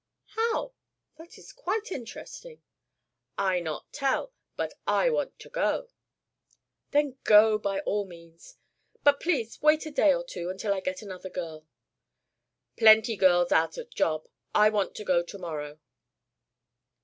"How? That is quite interesting." "I not tell. But I want to go." "Then go, by all means. But please wait a day or two until I get another girl." "Plenty girls out of job. I want to go to morrow."